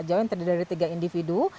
owa jawa yang terdiri dari tiga individu